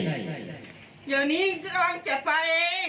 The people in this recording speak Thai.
เดี๋ยวนี้ก็ต้องจะไป